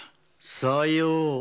さよう。